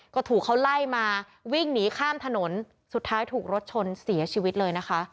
ก็ถูกเขาไล่มาวิ่งหนีข้ามถนนสุดท้ายถูกรถชนเสียชีวิตเลยนะคะ